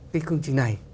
cái công trình này